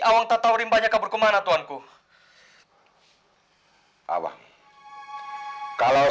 oleh prabang termempertahankan bagi aeratu itu di sana